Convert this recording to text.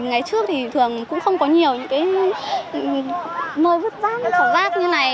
ngày trước thì thường cũng không có nhiều những cái nơi vứt vác khẩu vác như này